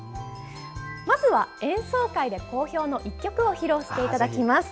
まずは、演奏会で好評の１曲を披露していただきます。